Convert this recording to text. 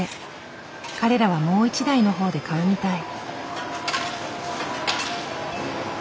彼らはもう一台のほうで買うみたい。